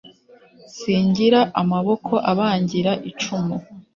Singira amaboko abangira icumu.